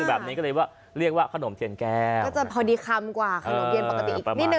แบบนี้ก็เลยว่าเรียกว่าขนมเทียนแก้วก็จะพอดีคำกว่าขนมเย็นปกติอีกนิดนึ